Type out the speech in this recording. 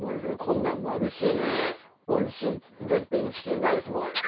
こんなんもあるしおいしい絶品チキンライスも。